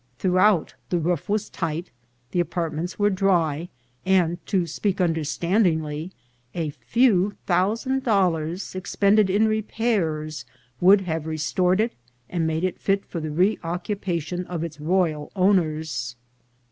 Throughout the roof was tight, the apartments were dry, and, to speak understandingly, a. few thousand dollars expended in repairs would have restored it, and made it fit for the reoccupation of its royal owners.